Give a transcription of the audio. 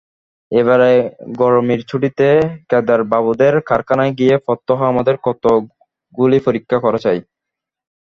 এবারে গরমির ছুটিতে কেদারবাবুদের কারখানায় গিয়ে প্রত্যহ আমাদের কতকগুলি পরীক্ষা করা চাই।